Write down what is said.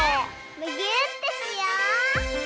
むぎゅーってしよう！